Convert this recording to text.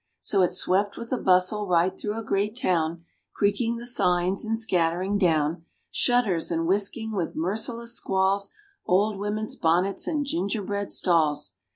So it swept with a bustle right through a great town, Creaking the signs and scattering down Shutters; and whisking, with merciless squalls, Old women's bonnets and gingerbread stalls.